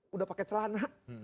sudah pakai celana